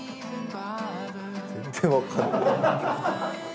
全然分からない。